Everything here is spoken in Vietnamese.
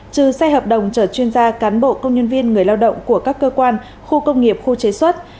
trừ xe hợp đồng chở chuyên gia cán bộ công nhân viên người lao động của các cơ quan khu công nghiệp khu chế xuất